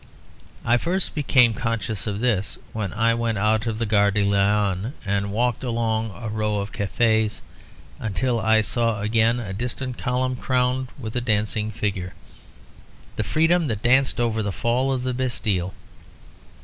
I first became conscious of this when I went out of the Gare de Lyon and walked along a row of cafes, until I saw again a distant column crowned with a dancing figure; the freedom that danced over the fall of the Bastille.